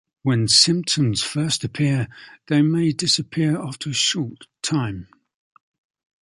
When symptoms first appear, they may disappear after a short time.